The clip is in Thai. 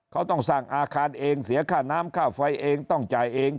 เขาต้องสร้างอาคารเองเสียค่าน้ำค่าไฟเองต้องจ่ายเอง